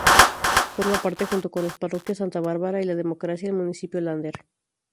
Forma parte, junto con las parroquias Santa Bárbara y La Democracia, el Municipio Lander.